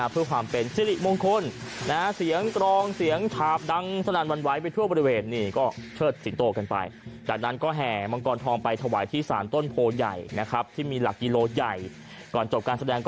เพื่อความเป็นชิริมงคลเสียงกรองเสียงถาบดังสลานวันไหวไปทั่วบริเวณ